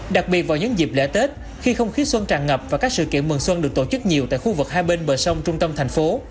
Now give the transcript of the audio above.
đặc biệt vào những dịp lễ tết khi không khí xuân tràn ngập và các sự kiện mừng xuân được tổ chức nhiều tại khu vực hai bên bờ sông trung tâm thành phố